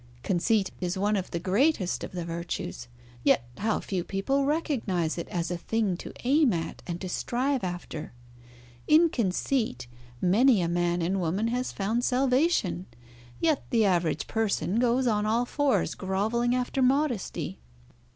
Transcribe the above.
Conceit is one of the greatest of the virtues, yet how few people recognise it as a thing to aim at and to strive after. In conceit many a man and woman has found salvation, yet the average person goes on all fours grovelling after modesty.